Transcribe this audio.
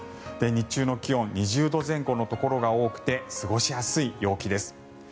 日中の気温２０度前後のところが多くて過ごしやすい陽気です。